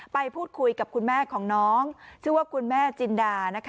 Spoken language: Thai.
ไปพูดคุยกับคุณแม่ของน้องชื่อว่าคุณแม่จินดา